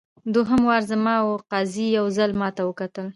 دوهم وار زما وو قاضي یو ځل ماته وکتل.